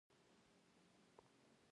هر انسان خپل خیال لري.